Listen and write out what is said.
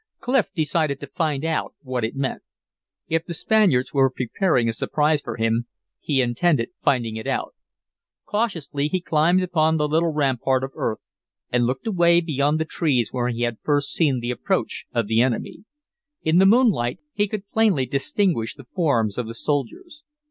Clif decided to find out what it meant. If the Spaniards were preparing a surprise for him, he intended finding it out. Cautiously he climbed upon the little rampart of earth and looked away beyond the trees where he had first seen the approach of the enemy. In the moonlight he could plainly distinguish the forms of the soldiers.